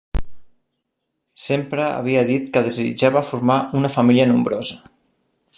Sempre havia dit que desitjava formar una família nombrosa.